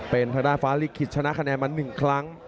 เป็นทางด้านฟ้าลิขิตชนะคะแนนมา๑ครั้ง